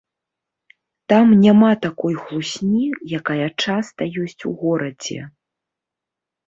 Там няма такой хлусні, якая часта ёсць у горадзе.